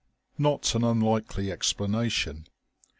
Not an unlikely explanation.